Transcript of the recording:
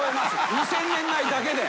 ２０００年代だけで。